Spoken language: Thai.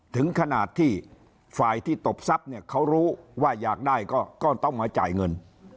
ถึงขนาดที่ฝ่ายที่ตบทรัพย์เนี่ยเขารู้ว่าอยากได้ก็ต้องมาจ่ายเงิน